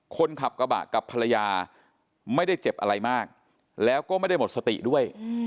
คนขับกระบะกับภรรยาไม่ได้เจ็บอะไรมากแล้วก็ไม่ได้หมดสติด้วย